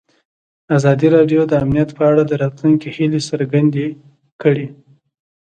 ازادي راډیو د امنیت په اړه د راتلونکي هیلې څرګندې کړې.